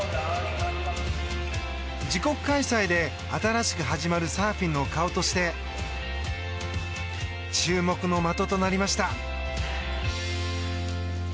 自国開催で新しく始まるサーフィンの顔として注目の的となりました。